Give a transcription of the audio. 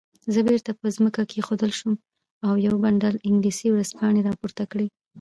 زه بیرته په ځمکه کېښودل شوم او یو بنډل انګلیسي ورځپاڼې راپورته کړې.